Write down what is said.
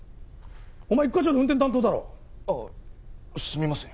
お前一課長の運転担当だろ？ああすみません。